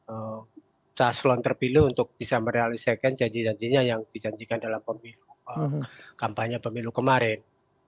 aksi taslon terpilih untuk bisa merealisasikan janji janjinya yang dijanjikan dalam kampanye pemilu kemarin